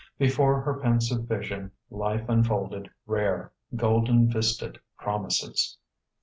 Before her pensive vision Life unfolded rare, golden vista'd promises.